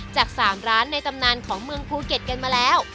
จาก๓ร้านในตำนานของเมืองภูเก็ตกันมาแล้ว